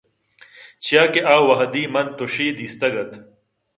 چیاکہ آ وہدی کہ من تُشے دیستگ اَت